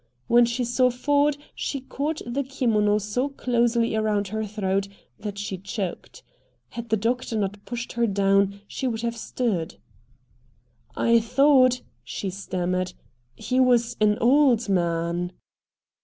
When she saw Ford she caught the kimono so closely around her throat that she choked. Had the doctor not pushed her down she would have stood. "I thought," she stammered, "he was an OLD man."